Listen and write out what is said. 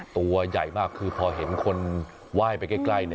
ตัวใหญ่มากคือพอเห็นคนไหว้ไปใกล้